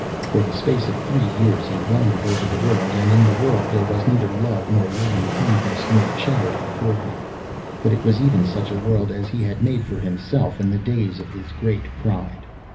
For the space of three years he wandered over the world, and in the world there was neither love nor loving kindness nor charity for him, but it was even such a world as he had made for himself in the days of his great pride.